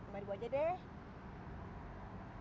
maribu aja deh